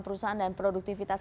perusahaan dan produktivitas